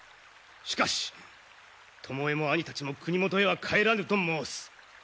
しかし巴も兄たちも国元へは帰らぬと申す。